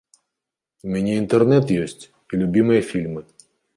У мяне інтэрнэт ёсць і любімыя фільмы.